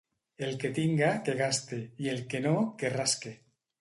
El que tinga, que gaste, i el que no, que rasque.